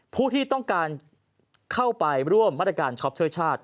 ผู้ที่ต้องการเข้าไปร่วมมาตรการช็อปช่วยชาติ